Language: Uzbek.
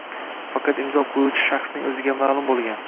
faqat imzo qo‘yuvchi shaxsning o‘ziga ma’lum bo‘lgan